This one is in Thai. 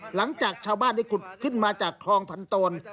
หลังจากชาวบ้านได้ขุดขึ้นมาจากคลองผันโตน